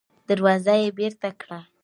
دروازه يې بېرته کړه.